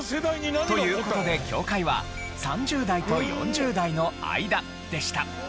という事で境界は３０代と４０代の間でした。